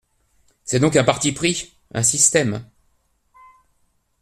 C’est donc un parti pris… un système !